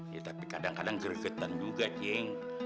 ya tapi kadang kadang gregetan juga cing